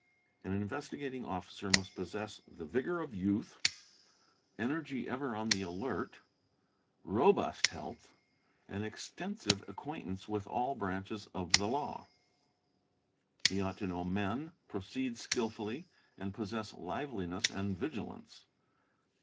An Investigating Officer must possess the vigour of youth, energy ever on the — alert, robust health, and extensive acquaintance with all branches of the law. He ought to know men, proceed skilfully, and possess liveliness and vigilance.